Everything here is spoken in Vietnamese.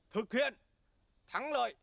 thực hiện thắng lợi